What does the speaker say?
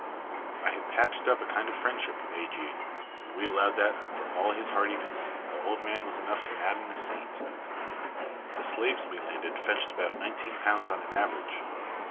I had patched up a kind of friendship with A.G., and we allowed that, for all his heartiness, the old man was enough to madden a saint. The slaves we landed fetched about nineteen pounds on an average.